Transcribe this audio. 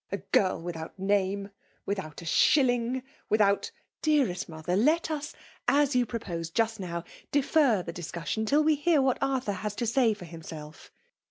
'' A girl without name — without a shilling ^witk* out—'* " Dearest mother, let us ^as yoii proposed just now nlefer the discussioki till we hear what Arthur has to say for himself."